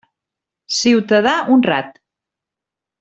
Ciutadà honrat.